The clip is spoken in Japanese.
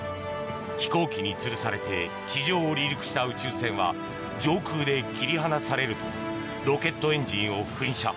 飛行機につるされて地上を離陸した宇宙船は上空で切り離されるとロケットエンジンを噴射。